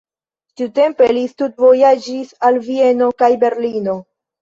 Tiutempe li studvojaĝis al Vieno kaj Berlino.